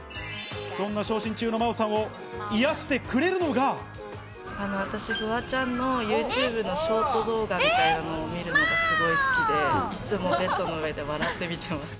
そんな傷心中のマオさんを癒私フワちゃんのＹｏｕＴｕｂｅのショート動画みたいなのを見るのがすごい好きで、いつもベッドの上で笑って見てます。